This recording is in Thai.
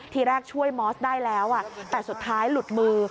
ทีแรกช่วยมอสได้แล้วแต่สุดท้ายหลุดมือ